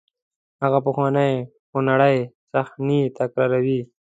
هغه پخوانۍ خونړۍ صحنې تکراروئ.